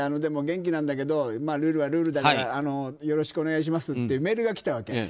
元気なんだけどルールはルールだからよろしくお願いしますってメールが来たわけ。